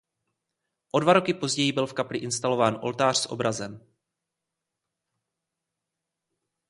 O dva roky později byl v kapli instalován oltář s obrazem.